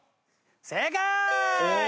正解！